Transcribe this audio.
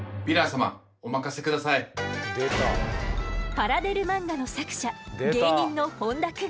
パラデル漫画の作者芸人の本多くん。